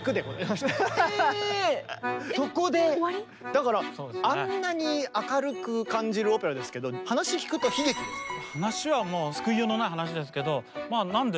だからあんなに明るく感じるオペラですけど話聞くとですよね。